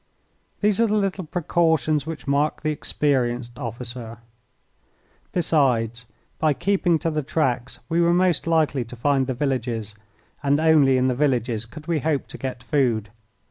These are the little precautions which mark the experienced officer. Besides, by keeping to the tracks we were most likely to find the villages, and only in the villages could we hope to get food.